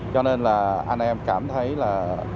cho nên là anh em cảm thấy là